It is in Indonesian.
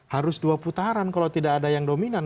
harus dua putaran kalau tidak ada yang dominan